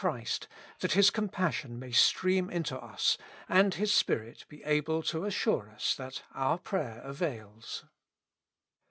Christ, that His compassion may stream into us, and His Spirit be able to assure us that our prayer avails.